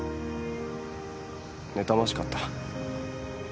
ねたましかった。